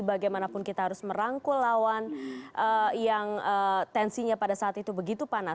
bagaimanapun kita harus merangkul lawan yang tensinya pada saat itu begitu panas